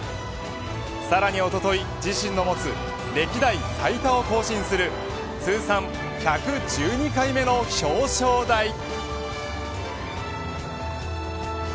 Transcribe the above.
さらにおととい自身の持つ歴代最多を更新する通算１１２回目の表彰台。